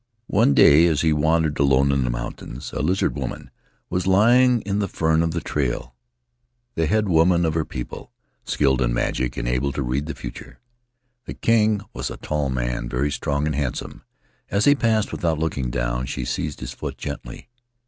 One day, as he wandered alone in the mountains, a Lizard Woman was lying in the fern beside the trail — a head woman of her people, skilled in magic and able to read the future. This king was a tall man, very strong and handsome; as he passed without looking down, she seized his foot gently.